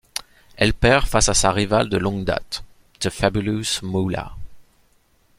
Elle perd face à sa rivale de longue date, The Fabulous Moolah.